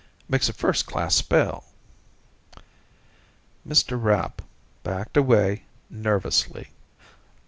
makes a first class spell." Mr. Rapp backed away, nervously.